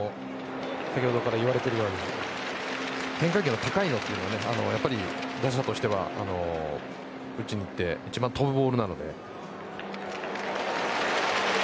先ほどから言われているように変化球の高いのというのはやはり、打者としては打ちにいって１番飛ぶボールなので。